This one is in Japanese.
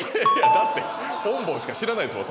だって本坊しか知らないですもん